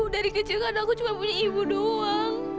dari kecil kan aku cuma punya ibu doang